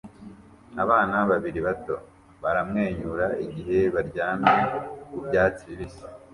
Abana babiri bato baramwenyura igihe baryamye ku byatsi bibisi